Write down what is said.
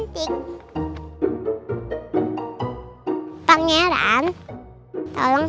com' atau kalau el causing